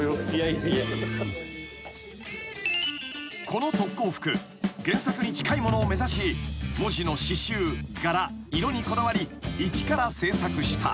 ［この特攻服原作に近いものを目指し文字の刺しゅう柄色にこだわり一から制作した］